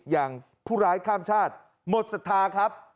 อย่างผู้ร้ายข้ามชาติหมดศรัทธาครับ